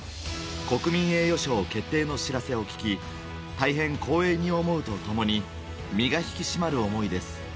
国民栄誉賞決定の知らせを聞き、大変光栄に思うとともに、身が引き締まる思いです。